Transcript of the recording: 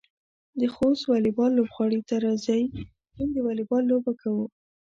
د خوست واليبال لوبغالي ته راځئ، نن د واليبال لوبه کوو.